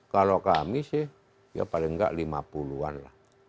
kalau kami sih ya paling nggak lima puluh an lah